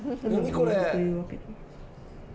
これ。